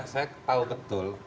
saya tahu betul